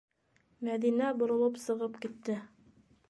Мәҙинә боролоп сығып китте.